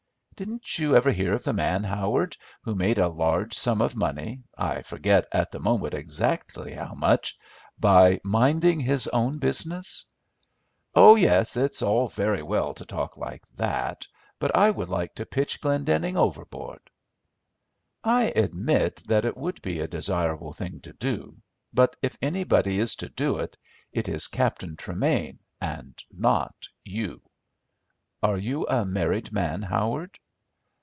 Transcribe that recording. "Didn't you ever hear of the man, Howard, who made a large sum of money, I forget at the moment exactly how much, by minding his own business?" "Oh yes, it's all very well to talk like that; but I would like to pitch Glendenning overboard." "I admit that it would be a desirable thing to do, but if anybody is to do it, it is Captain Tremain and not you. Are you a married man, Howard?"